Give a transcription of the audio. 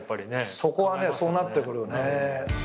そこはそうなってくるね。